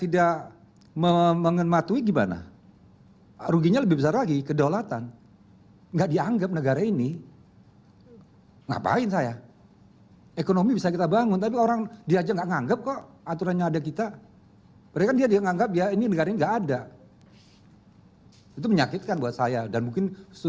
dan mungkin untuk seluruh masyarakat indonesia